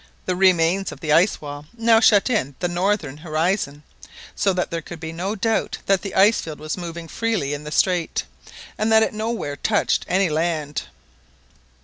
The last remains of the ice wall now shut in the northern horizon, so that there could be no doubt that the ice field was moving freely in the strait, and that it nowhere touched any land.